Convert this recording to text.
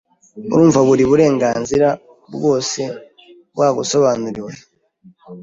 Urumva buri burenganzira bwose bwagusobanuriwe?